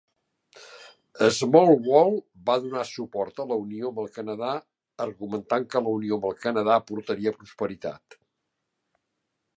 Smallwood va donar suport a la unió amb el Canadà, argumentant que la unió amb el Canadà portaria prosperitat.